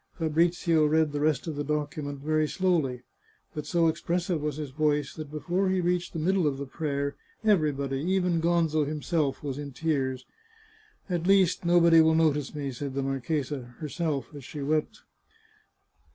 Fabrizio read the rest of the document very slowly, but so expressive was his voice that, before he reached the mid dle of the prayer, everybody, even Gonzo himself, was in tears. " At least nobody will notice me," said the marchesa to herself, as she wept.